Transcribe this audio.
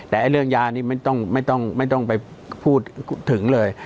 แต่เรื่องยานี่ไม่ต้องไปพูดถึงเลย